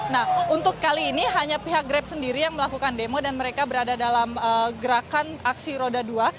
nah untuk kali ini hanya pihak grab sendiri yang melakukan demo dan mereka berada dalam gerakan aksi roda dua